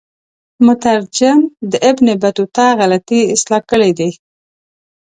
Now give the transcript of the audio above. مترجم د ابن بطوطه غلطی اصلاح کړي دي.